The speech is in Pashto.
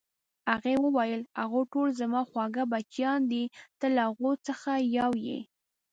هغې وویل: هغوی ټول زما خواږه بچیان دي، ته له هغو څخه یو یې.